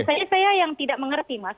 hanya saja saya yang tidak mengerti mas